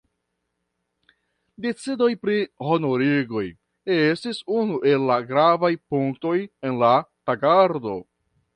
Decidoj pri honorigoj estis unu el la gravaj punktoj en la tagordo.